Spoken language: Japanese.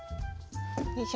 よいしょ。